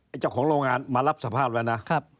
เจ้าของโรงงานมารับสภาพไว้นะ